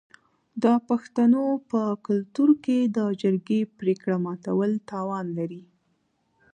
د پښتنو په کلتور کې د جرګې پریکړه ماتول تاوان لري.